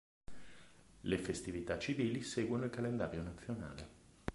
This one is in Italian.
Le festività civili seguono il calendario nazionale.